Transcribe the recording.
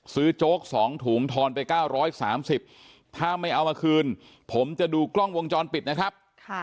โจ๊ก๒ถุงทอนไป๙๓๐ถ้าไม่เอามาคืนผมจะดูกล้องวงจรปิดนะครับ